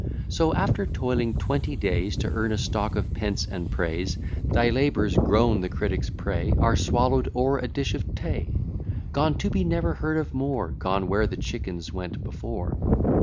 So, after toiling twenty days To earn a stock of pence and praise, Thy labours, grown the critic's prey, Are swallow'd o'er a dish of tea; Gone to be never heard of more, Gone where the chickens went before.